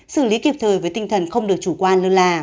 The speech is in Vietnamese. xử lý kịp thời với tinh thần không được chủ quan lơ là